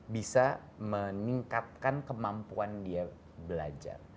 bisa meningkatkan kemampuan dia belajar